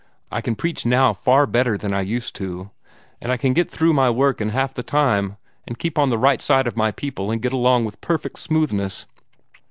I can preach now far better than I used to, and I can get through my work in half the time, and keep on the right side of my people, and get along with perfect smoothness.